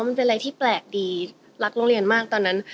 มันเป็นอะไรที่แปลกดีรักโรงเรียนมากตอนนั้น